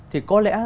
thì có lẽ